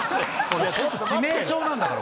致命傷なんだから。